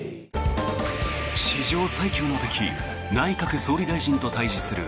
史上最強の敵・内閣総理大臣と対峙する